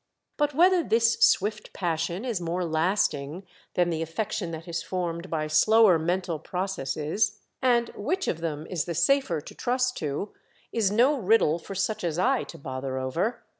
But v/hether tin's swift passion is more IMOGENE AND I ARE INfUCII TOCETIIER. ICjl lasting than the affection that is formed by slower mental processes, and which of them is the safer to trust to, is no riddle for such as I to bother over.